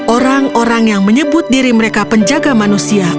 orang orang yang menyebut diri mereka penjaga manusia